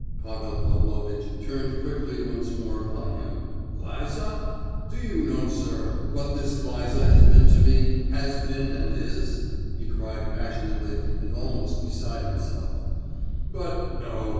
Pavel Pavlovitch turned quickly once more upon him. "Liza? Do you know, sir, what this Liza has been to me—has been and is?" he cried passionately and almost beside himself; "but—no!